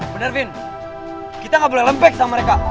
bener vin kita ga boleh lembek sama mereka